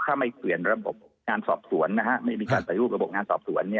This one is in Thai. ถ้าไม่เปลี่ยนระบบใสรูประบบงานสอบสวน